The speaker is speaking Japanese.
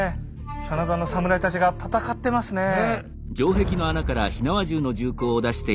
真田の侍たちが戦ってますねえ。